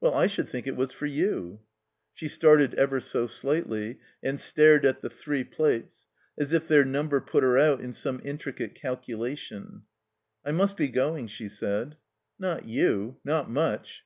"Well, I should think it was for you.'* She started ever so slightly, and stared at the three plates, as if their number put her out in some intricate calculation. "I must be going," she said. ''Not you. Not much!"